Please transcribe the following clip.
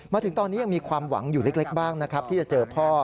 มาถึงตอนนี้ยังมีความหวังอยู่เล็กบ้างนะครับที่จะเจอพ่อ